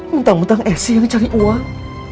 mentang mentang esy yang cari uang